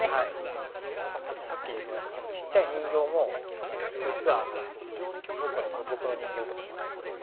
あとさっき言われたこのちっちゃい人形も実はもう一個ね僕の人形とかもあってこういう。